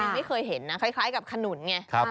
ไม่เคยเห็นนะคล้ายกับขนุนไง